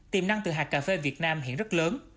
tiềm năng từ hạt cà phê việt nam hiện rất lớn